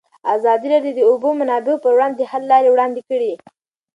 ازادي راډیو د د اوبو منابع پر وړاندې د حل لارې وړاندې کړي.